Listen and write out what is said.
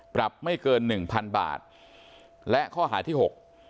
ปรับไม่เกินหนึ่งพันบาทและข้อหาที่หก